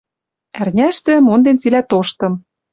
Ӓрняштӹ, монден цилӓ тоштым